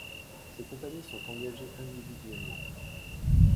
Ses compagnies sont engagées individuellement.